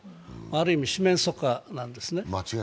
ある意味、四面楚歌なんですね。